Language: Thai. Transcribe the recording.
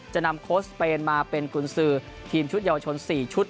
จะนำโค้ชเปนมาเป็นกุญสือทีมชุดเยาวชน๔ชุด